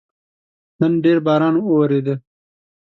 نن ډېر باران وورېده